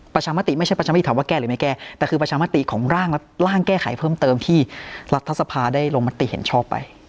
ประชามติไม่ใช่ประชามติถามว่าแก้หรือไม่แก้แต่คือประชามติของร่างและร่างแก้ไขเพิ่มเติมที่รัฐสภาได้ลงมติเห็นชอบไป